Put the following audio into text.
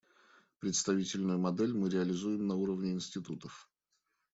Представительную модель мы реализуем на уровне институтов.